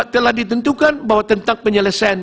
telah ditentukan bahwa tentang penyelesaian